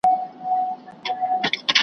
په لیدلو چي یې وو په زړه نتلی .